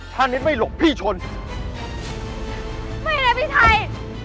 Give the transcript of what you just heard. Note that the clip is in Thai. ถ้าไม่หลบพี่ชนไม่ได้พี่ชัย